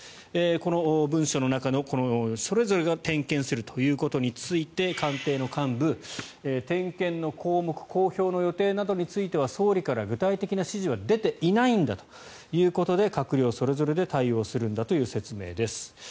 この文書の中のそれぞれが点検するということについて官邸の幹部点検の項目公表の予定などについては総理から具体的な指示は出ていないんだということで閣僚それぞれで対応するんだという説明です。